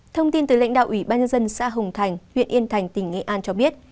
thông tin từ lãnh đạo ủy ban nhân dân xã hồng thành huyện yên thành tỉnh nghệ an cho biết